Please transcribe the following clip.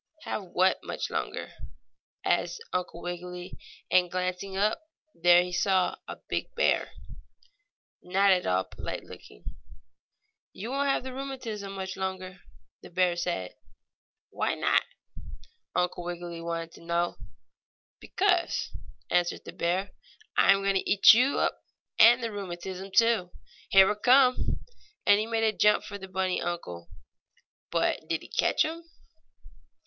"Have what much longer?" asked Uncle Wiggily, and glancing up, there he saw a big bear, not at all polite looking. "You won't have the rheumatism much longer," the bear said. "Why not?" Uncle Wiggily wanted to know. "Because," answered the bear, "I am going to eat you up and the rheumatism, too. Here I come!" and he made a jump for the bunny uncle. But did he catch him?